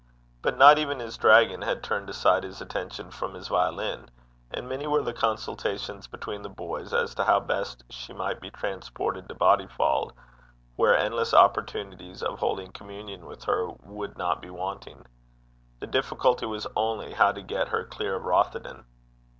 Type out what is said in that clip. But not even his dragon had turned aside his attentions from his violin; and many were the consultations between the boys as to how best she might be transported to Bodyfauld, where endless opportunities of holding communion with her would not be wanting. The difficulty was only how to get her clear of Rothieden.